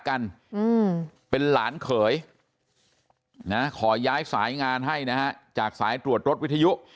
กันอืมเป็นหลานเขยนะขอย้ายสายงานให้นะฮะจากสายตรวจรถวิทยุ